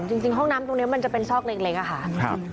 จริงจริงห้องน้ำตรงเนี้ยมันจะเป็นชอกเล็กเล็กอ่ะค่ะครับ